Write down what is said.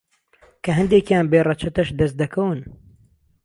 که ههندێکیان بێ رهچهتهش دهستدهکهون